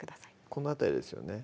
この辺りですよね